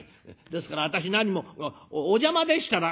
「ですから私何もお邪魔でしたら」。